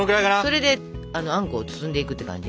それであんこを包んでいくって感じ。